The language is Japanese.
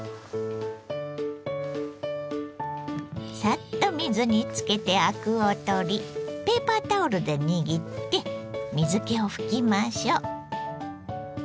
サッと水につけてアクを取りペーパータオルで握って水けを拭きましょう。